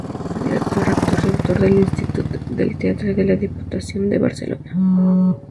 Fue director, actor y autor del Institut del Teatre de la Diputación de Barcelona.